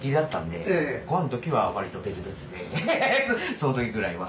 その時ぐらいは。